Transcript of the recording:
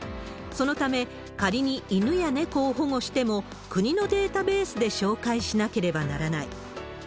そのため、仮に犬や猫を保護しても、国のデータベースで照会しなければならない。